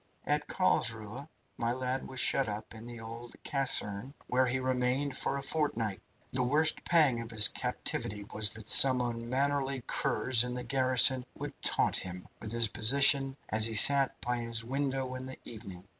At Carlsruhe, my lad was shut up in the old caserne, where he remained for a fortnight. The worst pang of his captivity was that some unmannerly curs in the garrison would taunt him with his position as he sat by his window in the evening.